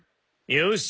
よし！